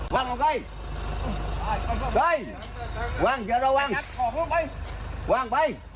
บ้าไปแรง